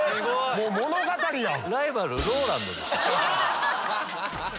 もう物語やん！